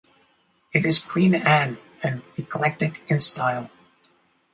It is Queen Anne and eclectic in style.